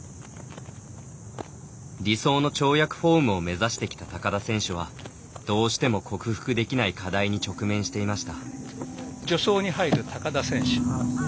理想の跳躍フォームを目指してきた高田選手はどうしても克服できない課題に直面していました。